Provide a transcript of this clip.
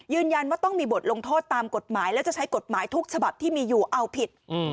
ว่าต้องมีบทลงโทษตามกฎหมายและจะใช้กฎหมายทุกฉบับที่มีอยู่เอาผิด